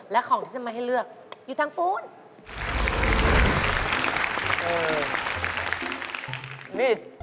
และของที่จะมาให้เลือกอยู่ทางปูน